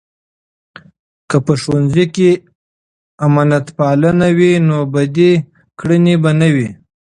که په ښوونځۍ کې امانتپالنه وي، نو بدې کړنې به نه وي.